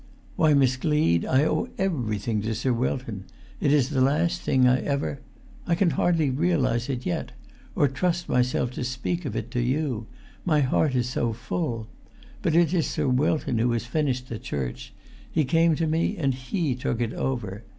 "Why, Miss Gleed, I owe everything to Sir Wilton! It is the last thing I ever—I can hardly realise it yet—or trust myself to speak of it to you. My heart is so full! But it is Sir Wilton who has finished the church; he came to me, and he took it over.